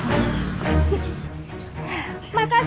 tidak ada masjid